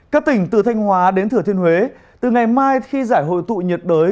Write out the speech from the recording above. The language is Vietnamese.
các tỉnh từ thanh hóa đến thừa thiên huế từ ngày mai khi giải hội tụ nhiệt đới